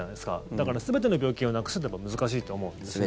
だから全ての病気をなくすのは難しいと思うんですね。